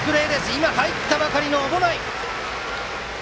今、入ったばかりの小保内！